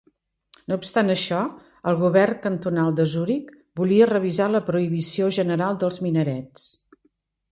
No obstant això, el govern cantonal de Zuric volia revisar la prohibició general dels minarets.